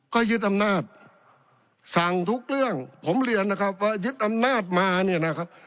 ก็ยึดอำนาจสั่งทุกเรื่องผมเรียนนะครับว่ายึดอำนาจมาเนี่ยนะครับ